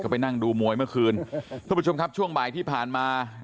ก็ไปนั่งดูมวยเมื่อคืนเพราะผู้ชมช่วงบายที่ผ่านมา